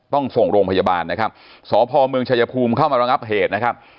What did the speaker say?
ต้องส่งโรงพยาบาลนะครับสพเมืองชายภูมิเข้ามาระงับเหตุนะครับ